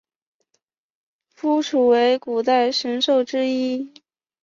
夫诸为古代神兽之一。